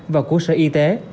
và cụ sở y tế